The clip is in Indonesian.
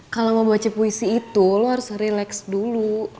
kalau mau baca puisi itu lo harus relax dulu